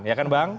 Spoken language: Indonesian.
ya kan bang